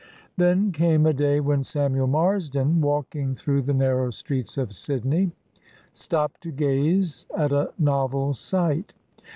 Then came a day when Samuel Marsden, walking through the narrow streets of Sydney, stopped to gaze at a novel sight.